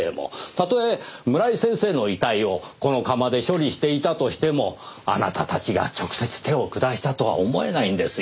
例え村井先生の遺体をこの窯で処理していたとしてもあなたたちが直接手を下したとは思えないんですよ。